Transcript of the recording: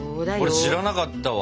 知らなかったわ。